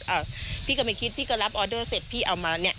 อ่ะพี่ก็ไม่คิดพี่ก็รับออเดอร์เสร็จพี่เอามาเนี่ย